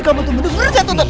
kamu tuh bener bener saya tuntut